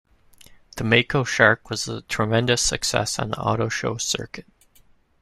The Mako Shark was a tremendous success on the auto show circuit.